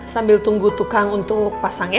sambil tunggu tukang untuk pasang ya